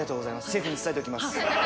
シェフに伝えておきます